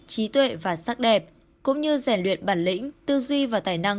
trí tuệ và sắc đẹp cũng như rèn luyện bản lĩnh tư duy và tài năng